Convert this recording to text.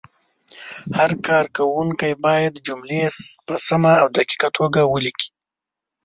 هر کارونکی باید جملې په سمه او دقیقه توګه ولیکي.